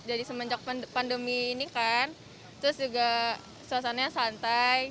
jadi semenjak pandemi ini kan terus juga suasananya santai